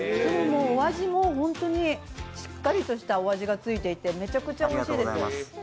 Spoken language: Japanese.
お味も本当にしっかりとしたお味がついていてめちゃくちゃおいしいです。